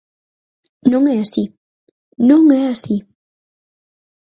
Non é así, ¡non é así!